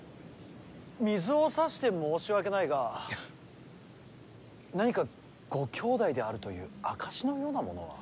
水を差して申し訳ないが何かご兄弟であるという証しのようなものは？